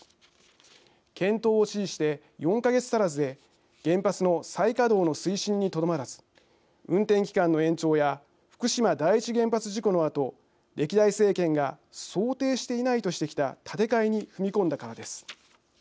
検討を指示して４か月足らずで原発の再稼働の推進にとどまらず運転期間の延長や福島第一原発事故のあと歴代政権が想定していないとしてきた建て替えに踏み込んだからです。